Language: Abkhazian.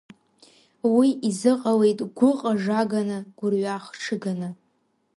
Уи изыҟалеит гәыҟажаганы, гәырҩа хҽыганы.